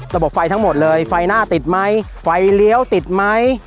ระบบไฟทั้งหมดเลยไฟหน้าติดไหมไฟเลี้ยวติดไหม